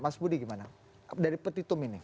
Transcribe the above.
mas budi gimana dari petitum ini